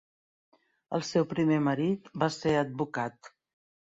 El seu primer marit va ser advocat.